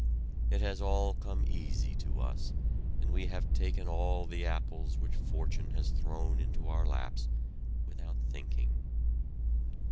It has all come easy to us, and we have taken all the apples which Fortune has thrown into our laps, without thinking.